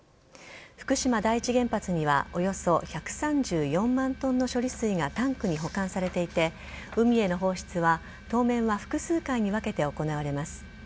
福島第一原発にはおよそ１３４万トンの処理水がタンクに保管されていて海への放出は当面は複数回に分けて行われます。